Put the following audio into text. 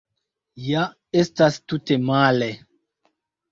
Ja estas tute male.